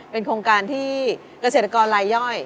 เป็นโครงการที่เกษตรกรลายย่อย